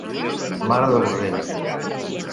Mare de bordell.